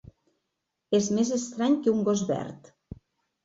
És més estrany que un gos verd.